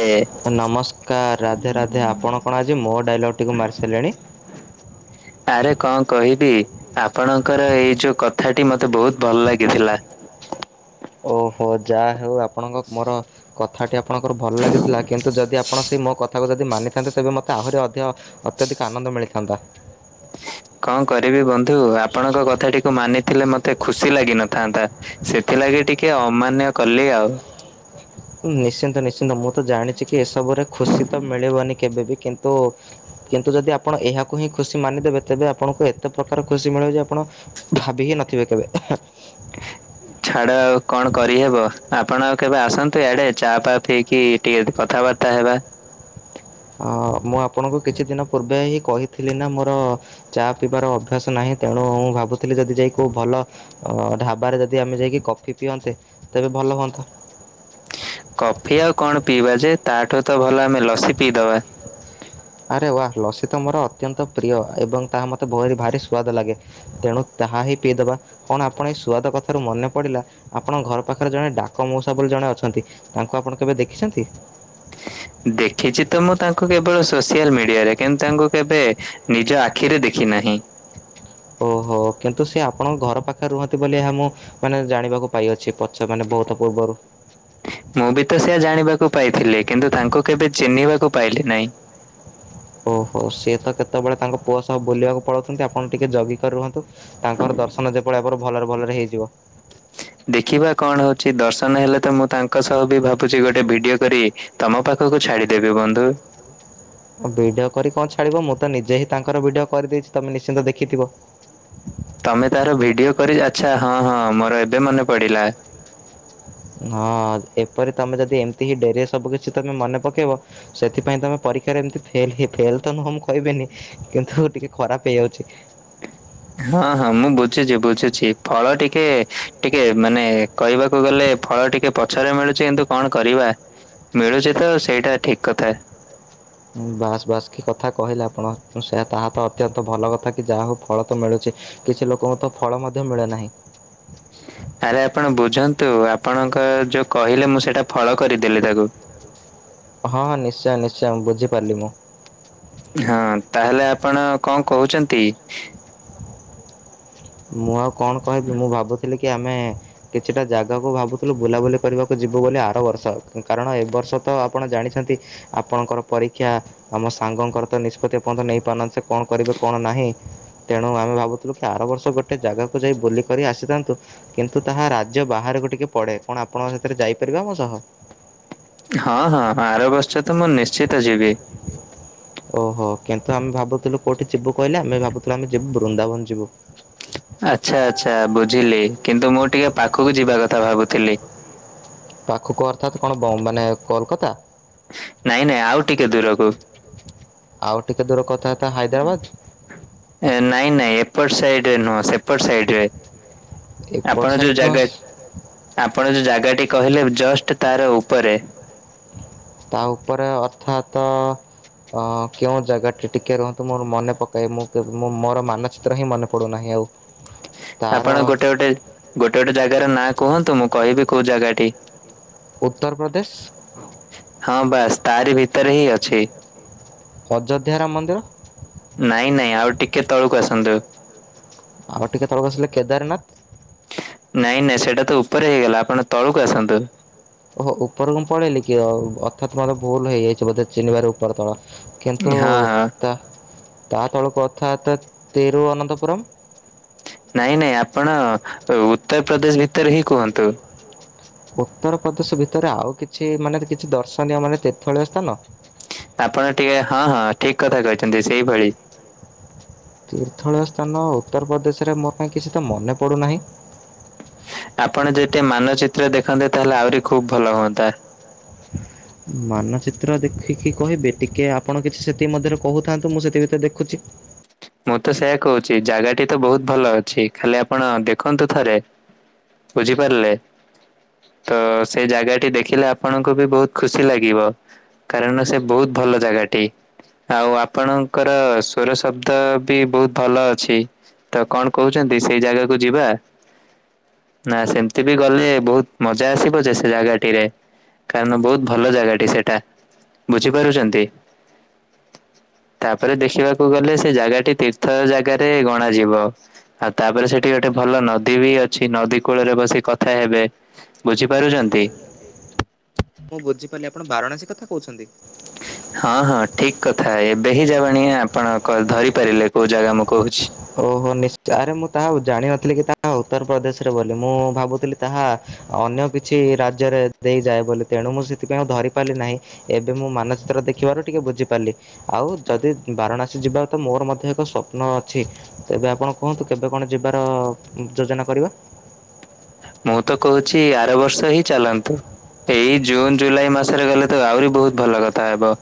ଏ ନମସ୍କାର୍ ରାଧେ-ରାଧେ ଆପଣ କଣ ଆଜି ମୋ ଡାଇଲଗ୍ଟିକୁ ମାରି ସାରିଲେଣି। ଆରେ କଣ କହିବି ଆପଣଙ୍କର ଏଇ ଯୋଉ କଥାଟି ମତେ ବହୁତ୍ ଭଲ ଲାଗିଥିଲା। ଓହୋ ଯାହା ହେଉ ଆପଣଙ୍କ ମୋର କଥାଟି ଆପଣଙ୍କର ଭଲ ଲାଗିଥିଲା କିନ୍ତୁ ଯଦି ଆପଣ ସେଇ ମୋ କଥାକୁ ଯଦି ମାନିଥାନ୍ତେ ତେବେ ମୋତେ ଆହୁରି ଅଧିକ ଅତ୍ୟଧିକ ଆନନ୍ଦ ମିଳିଥାନ୍ତା। କଣ କରିବି ବନ୍ଧୁ ଆପଣଙ୍କ କଥାଟିକୁ ମାନିଥିଲେ ମତେ ଖୁସି ଲାଗିିନଥାନ୍ତା। ସେଥିଲାଗି ଟିକେ ଅମାନ୍ୟ କଲି ଆଉ। ନିଶ୍ଚିନ୍ତ-ନିଶ୍ଚିନ୍ତ ମୁଁ ତ ଜାଣିଛି କି ଏସବୁରେ ଖୁସି ତ ମିଳିବନି କେବେବି କିନ୍ତୁ କିନ୍ତୁ ଯଦି ଆପଣ ଏହାକୁ ହିଁ ଖୁସି ମାନିଦେବେ ତେବେ ଆପଣଙ୍କୁ ଏତେ ପ୍ରକାର ଖୁସି ମିଳିବ ଯେ ଆପଣ ଭାବି ହିଁ ନଥିବେ କେବେ। ଛାଡ ଆଉ କଣ କରିହେବ ଆପଣ ଆଉ କେବେ ଆସନ୍ତୁ ଆଡେ ଚା ଫ ପିଇକି ଟିକେ କଥାବାର୍ତ୍ତା ତା ହେବା। ଅ ମୁଁ ଆପଣଙ୍କୁ କିଛି ଦିନ ପୂର୍ବେ ହିଁ କହିଥିଲି ନା ମୋର ଚା ପିଇବାର ଅଭ୍ୟାସ ନାହିଁ ତେଣୁ ମୁଁ ଭାବୁଥିଲି ଯଦି ଯାଇ କୋଉ ଭଲ ଅ ଢାବାରେ ଯଦି ଆମେ ଯାଇକି କଫି ପିଅନ୍ତେ ତେବେ ଭଲ ହୁଅନ୍ତା କଫି ଆଉ କଣ ପିଇବା ଯେ ତାଠୁ ତ ଭଲ ଆମେ ଲସି ପିଇଦବା। ଆରେ ୱା ଲସି ତ ମୋର ଅତ୍ୟନ୍ତ ପ୍ରିୟ ଏବଂ ତାହା ମୋତେ ଭହୁରି ଭାରି ସୁ୍ୱାଦ ଲାଗେ। ତେଣୁ ତାହା ହିଁ ପିଇଦବା, କଣ ଆପଣ ଏ ସୁଆଦ କଥାରୁ ମନେ ପଡିଲା ଆପଣଙ୍କ ଘର ପାଖରେ ଜଣେ ଡାକ ମଉସା ବୋଲି ଜଣେ ଅଛନ୍ତି ତାଙ୍କୁ ଆପଣ କେବେ ଦେଖିଛନ୍ତି? ଦେଖିଛି ତ ମୁଁ ତାଙ୍କୁ କେବଳ ସୋସିଆଲ ମିଡିଆରେ କିନ୍ତୁ ତାଙ୍କୁ କେବେ ନିଜ ଆଖିରେ ଦେଖି ନାହିଁ। ଓହୋ କିନ୍ତୁ ସେ ଆପଣଙ୍କ ଘର ପାଖରେ ରୁହନ୍ତି ବୋଲି ଏହା ମୁଁ ମାନେ ଜାଣିବାକୁ ପାଇଅଛି ପଛ ମାନେ ବହୁତ ପୂର୍ବରୁ। ମୁଁ ବି ତ ସେଆ ଜାଣିବାକୁ ପାଇଥିଲି କିନ୍ତୁ ତାଙ୍କୁ କେବେ ଚିହ୍ନିବାକୁ ପାଇଲି ନାହିଁ। ଓହୋ ସିଏ ତ କେତେବେଳେ ତାଙ୍କ ପୁଅ ସହ ବୁଲିବାକୁ ପଳାଉଛନ୍ତି ଆପଣ ଟିକିଏ ଜଗିକ ରୁହନ୍ତୁ। ତାଙ୍କର ଦର୍ଶନ ଯେପଳିଆପ ଭଲରେ ଭଲରେ ହେଇଯିବ। ଦେଖିବା କଣ ହଉଛି ଦର୍ଶନ ହେଲେ ତ ମୁଁ ତାଙ୍କ ସହ ବି ଭାବୁଛି ଗୋଟେ ଭିଡିଓ କରି ତମ ପାଖକୁ ଛାଡିଦେବି ବନ୍ଧୁ। ଭିଡିଓ କରି କଣ ଛାଡିବ ମୁଁ ତ ନିଜେ ହିଁ ତାଙ୍କର ଭିଡିଓ କରିଦେଇଛି ତମେ ନିଶ୍ଚିନ୍ତ ଦେଖିଥିବ। ତମେ ତାର ଭିଡିଓ କରି ଆଚ୍ଛା, ହଁ ହଁ ମୋର ଏବେ ମନେ ପଡିଲା। ହଁ ଏପରି ତମେ ଯଦି ଏମିତି ହିଁ ଡେରି ରେ ସବୁ କିଛି ତମେ ମନେ ପକେଇବ ସେଥିପାଇଁ ତମେ ପରୀକ୍ଷାରେ ଏମତି ଫେଲ, ଫେଲ ତ ନୁହଁ ମୁଁ କହିବେନି କିନ୍ତୁ ଟିକେ ଖରାପ ହେଇଯାଉଛି। ହଁ ହଁ ମୁଁ ବୁଝୁଛି ବୁଝୁଛି ଫଳ ଟିକେ ଟିକେ ମାନେ କହିବାକୁ ଗଲେ ଫଳ ଟିକେ ପ ପଛରେ ମିଳୁଛି କିନ୍ତୁ କଣ କରିବା ମିଳୁଛି ତ ସେଇଟା ଠିକ କଥା। ବାସ୍ ବାସ୍ କି କଥା କହିଲେ ଆପଣ ସେ ତାହା ତ ଅତ୍ୟନ୍ତ ଭଲ କଥା କି ଯାହାକୁ ଫଳ ତ ମିଳୁଛି। କିଛି ଲୋକଙ୍କୁ ତ ଫଳ ମଧ୍ୟ ମିଳେ ନାହିଁ। ଆରେ ଆପଣ ବୁଝନ୍ତୁ ଆପଣଙ୍କ ଯୋଉ କହିଲେ ମୁଁ ସେଇଟା ଫଳ କରିଦେଲି ତାକୁ। ହଁ ହଁ ନିଶ୍ଚୟ ନିଶ୍ଚୟ ମୁ ବୁଝିପାରିଲି ମୁଁ। ହଁ ତାହେଲେ ଆପଣ କଣ କହୁଛନ୍ତି? ମୁଁ ଆଉ କଣ କହିବି ମୁଁ ଭାବୁଥିଲି କି ଆମେ କିଛିଟା ଜାଗାକୁ ଭାବୁଥିଲୁ ବୁଲାବୁଲି କରିବାକୁ ଯିବୁ ବୋଲି ଆର ବର୍ଷ କାରଣ ଏବ ବର୍ଷ ତ ଆପଣ ଜାଣିଛନ୍ତି ଆପଣଙ୍କର ପରୀକ୍ଷା। ଆମ ସାଙ୍ଗଙ୍କର ତ ନିଷ୍ପତ୍ତି ପର୍ଯ୍ୟନ୍ତ ନେଇପାରୁନାହାନ୍ତି ସେ କଣ କରିବେ କଣ ନାହିଁ। ତେଣୁ ଆମେ ଭାବୁଥିଲୁ କି ଆର ବର୍ଷ ଗୋଟେ ଜାଗାକୁ ଯାଇ ବୁଲିକର ଆସିଥାନ୍ତୁ। କିନ୍ତୁ ତାହା ରାଜ୍ୟ ବାହାରକୁ ଟିକେ ପଡ଼େ କଣ ଆପଣ ସେଥିରେ ଯାଇପାରିବେ ଆମ ସହ? ହଁ ହଁଁ ଆର ବର୍ଷ ତ ମୁଁ ନିଶ୍ଚିତ ଯିବି। [inaudible] ଓହୋ କିନ୍ତୁ ଆମେ ଭାବୁଥିଲୁ କୋଉଠି ଯିବୁ କହିଲେ ଆମେ ଭାବୁଥିଲୁ ଆମେ ଯିବୁ ବୃନ୍ଦାବନ ଯିବୁ। ଆଚ୍ଛା ଆଚ୍ଛା ବୁଝିଲି କିନ୍ତୁ ମୁଁ ଟିକେ ପାଖକୁ ଯିବା କଥା ଭାବୁଥିଲି। ପାଖକୁ ଅର୍ଥାତ୍ କଣ ବମ୍ ମାନେ କୋଲକାତା। ନାଇଁ ନାଇଁ ଆଉ ଟିକେ ଦୂରକୁ। ଆଉ ଟିକେ ଦୂରକୁ ଅର୍ଥାତ୍ ହାଇଦ୍ରାବାଦ୍। ଏ ନାଇଁ ନାଇଁ ଏପଟ ସାଇଡରେ ନୁହଁ ସେପଟ ସାଇଡ ରେ। ଏପଟ ଆପଣ ଯୋଉ ସାଇଟ୍ ନୁହଁ ଜାଗା ଆପଣ ଯୋଉ ଜାଗାଟି କହିଲେ ଜଷ୍ଟ ତାର ଉପରେ। ତା ଉପରେ ଅର୍ଥାତ କେଉଁ ଜାଗାଟି ଟିକେ ରୁହନ୍ତୁ ମୋର ମନେ ପକାଏ ମୁଁଁ ମୋର ମାନଚିତ୍ର ହିଁ ମନେ ପଡ଼ୁନାହିଁ ଆଉ। ତାର ଆପଣ ଗୋଟେ ଗୋଟେ ଗୋଟେ ଗୋଟେ ଜାଗାର ନାଁ କୁହନ୍ତୁ ମୁଁ କହିବି କୋଉ ଜାଗାଟି। ଉତ୍ତରପ୍ରଦେଶ। ହଁ ବାସ୍ ତାରି ଭିତରେ ହିଁ ଅଛି। ଅଯୋଧ୍ୟା ରାମ ମନ୍ଦିର। ନାଇଁ ନାଇଁ ଆଉ ଟିକେ ତଳକୁ ଆସନ୍ତୁ। ଆଉ ଟିକେ ତଳକୁ ଆସିଲେ କେଦାରନାଥ। ନାଇଁ ନାଇଁ ସେଇଟା ତ ଉପରେ ହେଇଗଲା ଆପଣ ତଳକୁ ଆସନ୍ତୁ। ଓହୋ ଉପରକୁ ମୁଁ ପଳେଇଲି କି ଆଉ ଅର୍ଥାତ୍ ମୋର ଭୁଲ ହେଇଯାଇଛି ବୋଧେ ଚିହ୍ନିବାରେ ଉପର ତଳ। କିନ୍ତୁ ହଁ ହଁ ତା ତା ତଳକୁ ଅର୍ଥାତ୍ ତୀରୁଅନ୍ତପୁରମ୍। ନାଇଁ ନାଇଁ ଆପଣ ଉତ୍ତରପ୍ରଦେଶ ଭିତରେ ହିଁ କୁହନ୍ତୁ। ଉତ୍ତର ପ୍ରଦେଶ ଭିତରେ ଆଉ କିଛି ମାନେ କିଛି ଦର୍ଶନୀୟ ମାନେ ତୀର୍ଥଳୀୟ ସ୍ଥାନ। ଆପଣ ଟିକେ ହଁ ହଁ ଠିକ୍ କଥା କହିଛନ୍ତି ସେଇଭଳି। ତୀର୍ଥଳୀୟ ସ୍ଥାନ ଉତ୍ତରପ୍ରଦେଶରେ ମୋର କାଇଁ କିଛି ତ ମନେ ପଡ଼ୁନାହିଁ। ଆପଣ ଯେତେ ମାନଚିତ୍ର ଦେଖନ୍ତେ ତାହେଲେ ଆହୁରି ଖୁବ୍ ଭଲ ହୁଅନ୍ତା। ମାନଚିତ୍ର ଦେଖିକି କହିବେ ଟିକିଏ ଆପଣ କିଛି ସେତିକି ମଧ୍ୟରେ କହୁଥାନ୍ତୁ ମୁଁ ସେଥି ଭିତରେ ଦେଖୁଛି। ମୁଁ ତ ସେଇୟା କହୁଛି ଜାଗାଟି ତ ବହୁତ ଭଲ ଅଛି ଖାଲି ଆପଣ ଦେଖନ୍ତୁ ଥରେ। ବୁଝିପାରିଲେ? ତ ସେ ଜାଗାଟି ଦେଖିଲେ ଆପଣଙ୍କୁ ବି ବହୁତ ଖୁସି ଲାଗିବ। କାରଣ ସେ ବହୁତ ଭଲ ଜାଗାଟି ଆଉ ଆପଣଙ୍କର ସୋର ଶବ୍ ତ ବି ବହୁତ ଭଲ ଅଛି ତ କଣ କହୁଛନ୍ତି ସେଇ ଜାଗାକୁ ଯିବା। ନା ସେମତି ବି ଗଲେ ବହୁତ ମଜା ଆସିବ ଯେ ସେ ଜାଗାଟିରେ। କାରଣ ବହୁତ ଭଲ ଜାଗାଟି ସେଟା ବୁଝିପାରୁଛନ୍ତି। ତାପରେ ଦେଖିବାକୁ ଗଲେ ସେ ଜାଗାଟି ତୀର୍ଥ ଜାଗାରେ ଗଣାଯିବ। ଆଉ ତାପରେ ସେଠି ଗୋଟେ ଭଲ ନଦୀ ବି ଅଛି ନଦୀ କୂଳରେ ବସି କଥା ହେବେ। ବୁଝିପାରୁଛନ୍ତି? ମୁଁ ବୁଝିପାରିଲି ଆପଣ ବାରାଣାସୀ କଥା କହୁଛନ୍ତି। ହଁ ହଁ ଠିକ୍ କଥା ଏବେ ହିଁ ଯବାଣିିଆ ଆପଣ ଧରି ପାରିଲେ କୋଉ ଜାଗା ମୁଁ କହୁଛି। ଓହୋ ନିଷ୍ଚ ଆରେ ମୁଁ ତାହା ଜାଣିିନଥିଲି କି ତାହା ଉତ୍ତରପ୍ରଦେଶରେ ବୋଲି ମୁଁ ଭାବୁଥିଲି ତାହା ଅନ୍ୟ କିଛି ରାଜ୍ୟରେ ଦେଇଯାଏ ବୋଲି ତେଣୁ ମୁଁ ସେଥିପାଇଁ ଆଉ ଧରିପାରିଲି ନାହିଁ। ଏବେ ମୁଁ ମାନଚିତ୍ର ଦେଖିବାରୁ ଟିକେ ବୁଝିପାରିଲି। ଆଉ ଯଦି ବାରାଣାସୀ ଯିବାକୁ ତ ମୋର ମଧ୍ୟ ଏକ ସ୍ୱପ୍ନ ଅଛି ତେବେ ଆପଣ କୁହନ୍ତୁ କେବେ କଣ ଯିବାର ଯୋଜନା କରିବା। ମୁଁ ତ କହୁଛି ଆର ବର୍ଷ ହିଁ ଚାଲନ୍ତୁ। ଏଇ ଜୁନ୍ ଜୁଲାଇ ମାସରେ ଗଲେ ତ ଆହୁରି ବହୁତ ଭଲ କଥା ହେବ।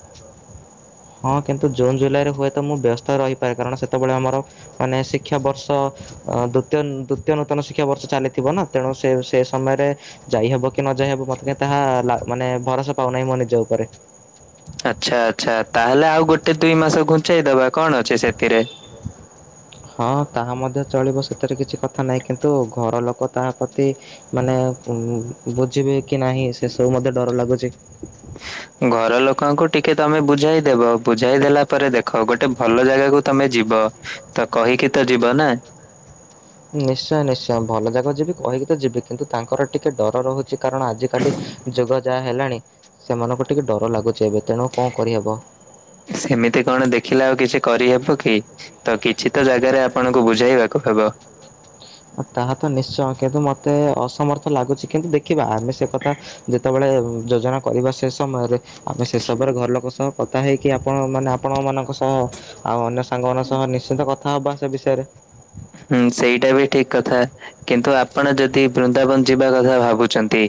ହଁ କିନ୍ତୁ ଜୁନ୍ ଜୁଲାଇରେ ହୁଏତ ମୁଁ ବ୍ୟସ୍ତ ରହିପାରେ କାରଣ ସେତେବେଳେ ଆମର ମାନେ ଶିକ୍ଷାବର୍ଷ ଅ ଦୁତୀୟ ଦୁତୀୟ ନୂତନ ଶିକ୍ଷାବର୍ଷ ଚାଲିଥିବ ନା ତେଣୁ ସେ ସେ ସମୟରେ ଯାଇ ହବ କି ନ ଯାଇ ହବ ମତେ କାହିଁ ତାହା ମାନେ ଭରସା ପାଉନାହିଁ ମୋ ନିଜ ଉପରେ। ଆଚ୍ଛା ଆଚ୍ଛା ତାହେଲେ ଆଉ ଗୋଟେ ଦୁଇ ମାସ ଘୁଞ୍ଚେଇ ଦବା କଣ ଅଛି ସେଥିରେ। ହଁ ତାହା ମଧ୍ୟ ଚଳିବ ସେଥିରେ କିଛି କଥା ନାହିଁ କିନ୍ତୁ ଘର ଲୋକ ତାହା ପ୍ରତି ମାନେ ଉଁ ବୁଝିବେ କି ନାହିଁ ସେ ସବୁ ମତେ ଡର ଲାଗୁଛି। ଘର ଲୋକଙ୍କୁ ଟିକେ ତମେ ବୁଝାଇଦବ ବୁଝାଇ ଦେଲା ପରେ ଦେଖ ଗୋଟେ ଭଲ ଜାଗାକୁ ତମେ ଯିବ ତ କହିକି ତ ଯିବ ନାଁ। ନିଶ୍ଚୟ ନିଶ୍ଚୟ ଭଲ ଯାଗାକୁ ଯିବି କହିକି ତ ଯିବି କିନ୍ତୁ ତାଙ୍କର ଟିକେ ଡର ରହୁଛି କାରଣ ଆଜିକାଲି। ଯୁଗ ଯାହା ହେଲାଣି ସେମାନଙ୍କୁ ଟିକେ ଡର ଲାଗୁଛି ଏବେ ତେଣୁ କଣ କରିହେବ। ସେମିତି କଣ ଦେଖିଲା ଆଉ କିଛି କରିହେବ କି ତ କିଛି ତ ଜାଗାରେ ଆପଣଙ୍କୁ ବୁଝେଇବା। ହବ। ତାହା ତ ନିଶ୍ଚୟ କିନ୍ତୁ ମତେ ଅସମର୍ଥ ଲାଗୁଛି କିନ୍ତୁ ଦେଖିବା ଆମେ ସେ କଥା ଯେତେବେଳେ ଯୋଜନା କରିବା ସେ ସମୟରେ ମୁଁ ସେସବରେ ଘର ଲୋକ ସହ କଥା ହେଇକି ଆପଣ ମାନେ ଆପଣ ମାନଙ୍କ ସହ ଆଉ ଅନ୍ୟ ସାଙ୍ଗମାନାନଙ୍କ ସହ ନିଶ୍ଚିନ୍ତ କଥା ହବା ସେ ବିଷୟରେ। ହୁଁ ସେଇଟା ବି ଠିକ୍ କଥା କିନ୍ତୁ ଆପଣ ଯଦି ବୃନ୍ଦାବନ ଯିବା କଥା ଭାବୁଛନ୍ତି?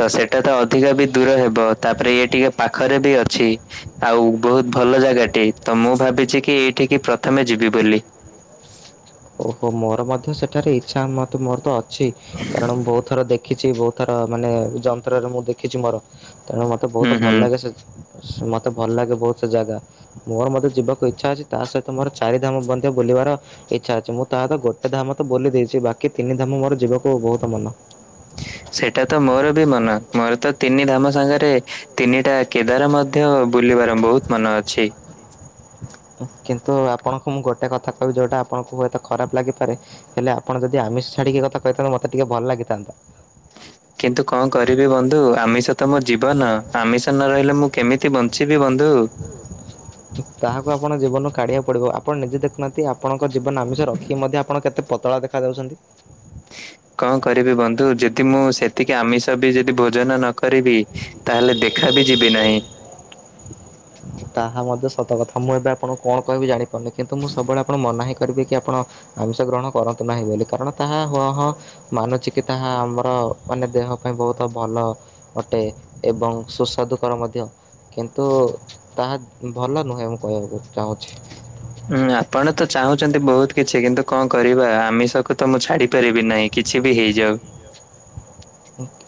ତ ସେଟା ତ ଅଧିକା ବି ଦୂର ହେବ ତାପରେ ଇଏ ଟିକେ ପାଖରେ ବି ଅଛି। ଆଉ ବହୁତ ଭଲ ଜାଗାଟିଏ ତ ମୁଁ ଭାବିଛି କି ଏଇଠିକ୍ ପ୍ରଥମେ ଯିବି ବୋଲି। ଓହୋ ମୋର ମଧ୍ୟ ସେଠାରେ ଇଚ୍ଛା ମ-ମୋର ତ ଅଛି କାରଣ ମୁଁ ବହୁତ ଥର ଦେଖି। ଦେଖିଛି ବହୁତ ଥର ମାନେ ଯନ୍ତ୍ରରେ ମୁଁ ଦେଖିଛି ମୋର ତେଣୁ ମତେ ବହୁତ ହୁଁ ଭଲ ହୁଁ ଲାଗେ ସେ। ମୋତେ ଭଲ ଲାଗେ ବହୁ ସେ ଜାଗା। ମୋର ମଧ୍ୟ ଯିବାକୁ ଇଚ୍ଛା ଅଛି ତା ସହିତ ମୋର ଚାରିଧାମ ବନ୍ଦ ବୁଲିବାର ଇଚ୍ଛା ଅଛି ମୁଁ ତାହା ତ ଗୋଟେ ଧାମ ତ ବୋଲି ଦେଇଛି ବାକି ତିନି ଧାମ ମୋର ଯିବାକୁ ବହୁତ ମନ। ସେଇଟା ତ ମୋର ବି ମନ ମୋର ତ ତିନି ଧାମ ସାଙ୍ଗରେ ତିନିଟା କେଦାର ମଧ୍ୟ ବୁଲିବାର ବହୁତ ମନ ଅଛି। କିନ୍ତୁ ଆପଣଙ୍କୁ ମୁଁ ଗୋଟେ କଥା କହିବି ଯଉଁଟା ଆପଣଙ୍କୁ ହୁଏତ ଖରାପ ଲାଗିପାରେ? ହେଲେ ଆପଣ ଯଦି ଆମିଷ ଛାଡ଼ିକି କଥା କହିଥାନ୍ତେ ମୋତେ ଟିକେ ଭଲ ଲାଗିଥାନ୍ତା। କିନ୍ତୁ କଣ କରିବି ବନ୍ଧୁ ଆମିଷ ତ ମୋ ଜୀବନ ଆମିଷ ନ ରହିଲେ ମୁଁ କେମିତି ବଞ୍ଚିବି ବନ୍ଧୁ। ତାହାକୁ ଆପଣ ଜୀବନରୁ କାଢିବାକୁ ପଡିବ ଆପଣ ନିଜେ ଦେଖୁନାହାନ୍ତି। ଆପଣଙ୍କ ଜୀବନ ଆମିଷ ରଖିକି ମଧ୍ୟ ଆପଣ କେତେ ପତଳା ଦେଖା ଯାଉଛନ୍ତି। କଣ କରିବି ବନ୍ଧୁ ଯଦି ମୁଁ ସେତିକି ଆମିଷ ବି ଯଦି ଭୋଜନ ନ କରିବି। ତାହେଲେ ଦେଖା ବି ଯିବି ନାହିଁ। ତାହା ମଧ୍ୟ ସତ କଥା ମୁଁ ଏବେ ଆପଣଙ୍କୁ କଣ କହିବି ଜାଣିପାରୁନି କିନ୍ତୁ ମୁଁ ସବୁବେଳେ ଆପଣ ମନା ହିଁ କରିବେ କି ଆପଣ ଆମିଶ ଗ୍ରହଣ କରନ୍ତୁ ନାହିଁ ବୋଲି କାରଣ ତାହା ହ ହଁ। ମାନୁଛି କି ତାହା ଆମର ମାନେ ଦେହ ପାଇଁ ବହୁତ ଭଲ ଅଟେ ଏବଂ ସୁସ୍ୱାଦୁକର ମଧ୍ୟ କିନ୍ତୁ ତାହା ଭଲ ନୁହେଁ ମୁଁ କହିବାକୁ ଚାହୁଁଛି। ହୁଁ ଆପଣ ତ ଚାହୁଁଛନ୍ତି ବହୁତ କିଛି କିନ୍ତୁ କଣ କରିବା ଆମିଷକୁ ତ ମୁଁ ଛାଡି ପାରିବି ନାହିଁ। କିଛି ବି ହେଇଯାଉ।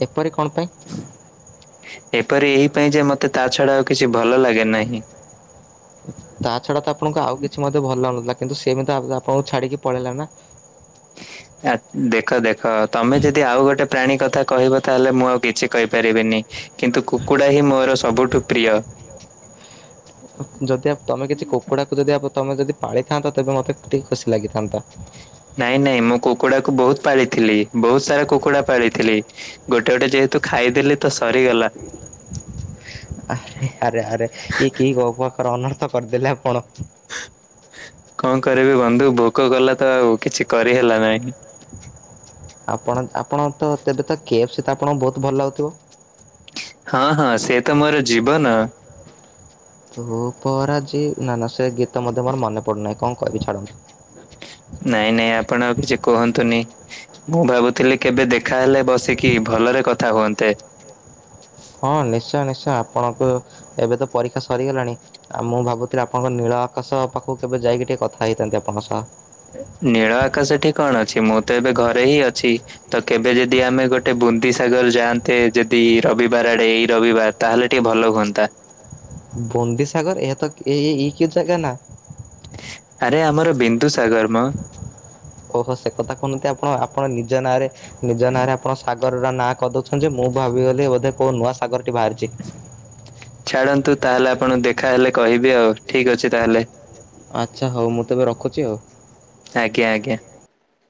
ଏପରି କଣ ପାଇଁ? ଏପରି ଏଇଥିପାଈ ଯେ ମୋତେ ତା ଛଡା ଆଉ କିଛି ଭଲ ଲାଗେ ନାହିଁ। ତା ଛଡା ତ ଆପଣଙ୍କୁ ଆଉ କିଛି ମଧ୍ୟ ଭଲ ନାଗୁନଥିଲା କିନ୍ତୁ ସେମିତି ଆପଣ-ଆପଣଙ୍କୁ ଛାଡିକି ପଳେଇଲା ନାଁ? [unintelligible] ଆ ଦେଖ ଦେଖ ତମେ ଯଦି ଆଉ ଗୋଟେ ପ୍ରାଣୀ କଥା କହିବ ତାହେଲେ ମୁଁ ଆଉ କିଛି କହିପାରିବିନି।। କିନ୍ତୁ କୁକୁଡ଼ା ହିଁ ମୋର ସବୁଠୁ ପ୍ରିୟ। ଯଦି ଆପ-ତମେ କିଛି କୁକୁଡାକୁ ଯଦି ଆପ-ତମେ ଯଦି ପାଳିଥାନ୍ତା ତେବେ ମତେ ଟିକେ ଖୁସି ଲାଗିଥାନ୍ତା। ନାଇଁ ନାଇଁ ମୁଁ କୁକୁଡା କୁ ବହୁତ ପାଳିଥିଲି ବହୁତ ସାରା କୁକୁଡା ପାଳିଥିଲି। ଗୋଟେ ଗୋଟେ ଯେହେତୁ ଖାଇଦେଲି ତ ସରିଗଲା। ଆରେ ଆରେ ଆରେ ଇଏ କି କୋଉ ପାଖରେ ଅନର୍ଥ କରିଦେଲେ ଆପଣ? କଣ କରିବି ବନ୍ଧୁ ଭୋକ କଲା ତ ଆଉ କିଛି କରିହେଲା ନାହିଁ। ଆପଣ ଆପଣ ତ ତେବେ ତ କେଫ୍ସି ଆପଣଙ୍କୁ ବହୁତ ଭଲ ଲାଗୁଥିବ? ହଁ ହଁ ସେ ତ ମୋର ଜୀବନ। [unintelligible] ତୁ ପରାଜି ନା ନା ସେ ଗୀତ ମଧ୍ୟ ମୋର ମନେ ପଡୁନାହିଁ କଣ କହିବି ଛାଡ଼ନ୍ତୁ। ନାଇଁ ନାଇଁ ଆପଣ ଆଉ କିଛି କୁହନ୍ତୁନି ମୁଁ ଭାବୁଥିଲି କେବେ ଦେଖାହେଲେ ବସିକି ଭଲରେ କଥା ହୁଅନ୍ତେ। ହଁ ନିଶ୍ଚୟ ନିଶ୍ଚୟ ଆପଣଙ୍କୁ ଏବେ ତ ପରୀକ୍ଷା ସରିଗଲାଣି। ଆଉ ମୁଁ ଭାବୁଥିଲି ଆପଣଙ୍କ ନୀଳ ଆକାଶ ପାଖକୁ କେବେ ଯାଇକି ଟିକେ କଥା ହେଇଥାନ୍ତି ଆପଣଙ୍କ ସହ। ନୀଳ ଆକାଶଠି କଣ ଅଛି ମୁଁ ତ ଏବେ ଘରେ ହିଁ ଅଛି। ତ କେବେ ଯଦି ଆମେ ଗୋଟେ ବୁନ୍ଦି ସାଗର ଯାଆନ୍ତେ ଯଦି ରବିବାର ଆଡେ ଏଇ ରବିବାର। ତାହେଲେ ଟିକେ ଭଲ ହୁଅନ୍ତା। ବନ୍ଦିସାଗର ଏତ ଏଇ ଏ କି ଜାଗା ନା? ଆରେ ଆମର ବିନ୍ଦୁ ସାଗର ମ ଓହୋ ସେ କଥା କହୁନାହାନ୍ତି ଆପଣ ଆପଣ ନିଜ ନାଁରେ ନିଜ ନାଁରେ ଆପଣ ସାଗରର ନାଁ କରି ଦଉଛନ୍ତି ମୁଁ ଭାବିଗଲି ବୋଧେ କୋଉ ନୂଆ ସାଗର ଟି ବାହାରିଛି। ଛାଡ଼ନ୍ତୁ ତାହେଲେ ଆପଣ ଦେଖା ହେଲେ କହିବି ଆଉ ଠିକ ଅଛି ତାହେଲେ। ଆଚ୍ଛା ହଉ ମୁଁ ତେବେ ରଖୁଛି ଆଉ। ଆଜ୍ଞା ଆଜ୍ଞା।